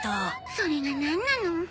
それがなんなの？